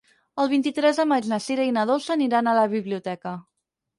El vint-i-tres de maig na Sira i na Dolça aniran a la biblioteca.